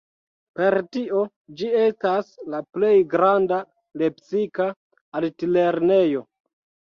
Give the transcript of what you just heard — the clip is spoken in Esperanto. Per tio ĝi estas la plej granda lepsika altlernejo.